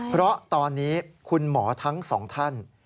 เพราะตอนนี้คุณหมอทั้งสองท่าน